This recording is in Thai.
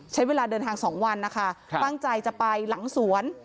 ใช้เวลาเดินทาง๒วันนะคะตั้งใจจะไปหลังสวน